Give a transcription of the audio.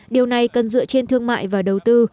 điều này cần dựa trên thương mại và đầu tư